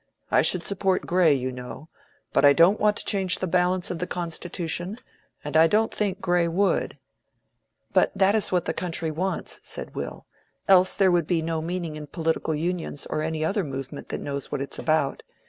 I should support Grey, you know. But I don't want to change the balance of the constitution, and I don't think Grey would." "But that is what the country wants," said Will. "Else there would be no meaning in political unions or any other movement that knows what it's about.